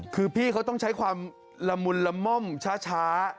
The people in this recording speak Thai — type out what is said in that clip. คือพี่เขาต้องใช้ความละมุนละม่อมช้า